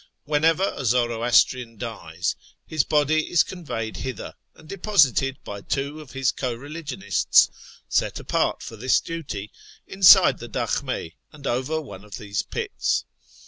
Whenever a Zoro astrian dies, his body is conveyed hither, and deposited by teherAn 89 two of his co religionists (set apart for this duty) inside the dakhm6 and over one of these pits.